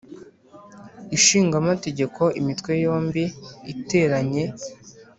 Ishinga Amategeko, Imitwe yombi iteranye,